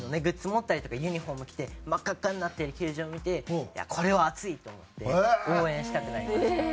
持ったりとかユニホーム着て真っかっかになってる球場を見てこれは熱いと思って応援したくなりました。